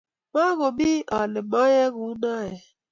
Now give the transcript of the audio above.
maakomii ale moiiyei kounoe